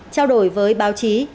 chào đổi với báo chí